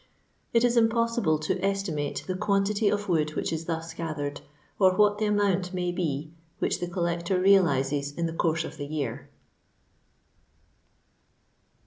It is impossible to estimate the quantity of wood which is thus gathered, or what the amount may be which the collector realises in the course of the year.